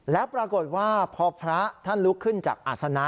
แล้วปรากฏว่าพอพระท่านลุกขึ้นจากอาศนะ